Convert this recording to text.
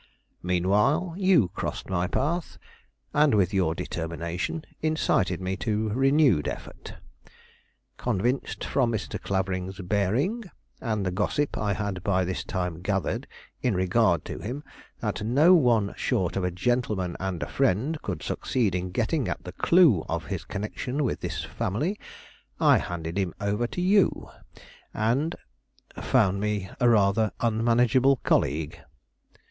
Meanwhile, you crossed my path, and with your determination incited me to renewed effort. Convinced from Mr. Clavering's bearing, and the gossip I had by this time gathered in regard to him, that no one short of a gentleman and a friend could succeed in getting at the clue of his connection with this family, I handed him over to you, and " "Found me rather an unmanageable colleague."